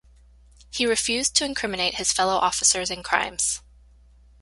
He refused to incriminate his fellow officers in crimes.